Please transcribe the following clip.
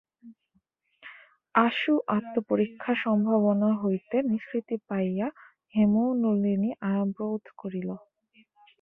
আশু আত্মপরীক্ষাসম্ভাবনা হইতে নিষ্কৃতি পাইয়া হেমনলিনী আরাম বোধ করিল।